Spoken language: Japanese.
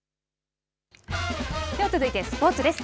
続いて、スポーツです。